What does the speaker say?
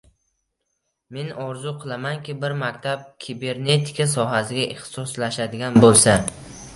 Men orzu qilamanki, bir maktab kibernetika sohasiga ixtisoslashadigan bo‘lsa